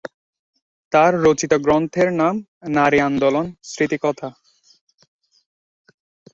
তার রচিত গ্রন্থের নাম 'নারী আন্দোলন: স্মৃতিকথা'।